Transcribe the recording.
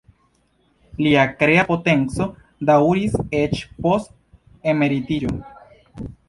Lia krea potenco daŭris eĉ post emeritiĝo.